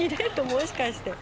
もしかして」